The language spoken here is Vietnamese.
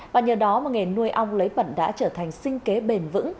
và nhờ đó mà nghề nuôi ong lấy mật đã trở thành sinh kế bền vững